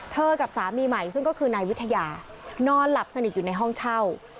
กับสามีใหม่ซึ่งก็คือนายวิทยานอนหลับสนิทอยู่ในห้องเช่า